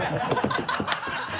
ハハハ